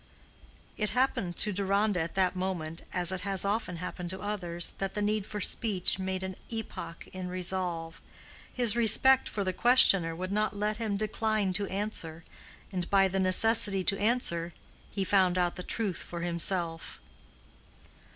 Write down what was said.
It happened to Deronda at that moment, as it has often happened to others, that the need for speech made an epoch in resolve. His respect for the questioner would not let him decline to answer, and by the necessity to answer he found out the truth for himself.